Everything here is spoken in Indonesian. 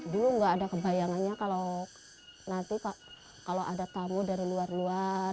dulu nggak ada kebayangannya kalau nanti kalau ada tamu dari luar luar